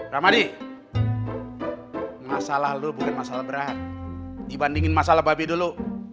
ramadi masalah lo bukan masalah berat dibandingin masalah babe dulu